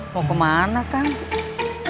mau kemana kang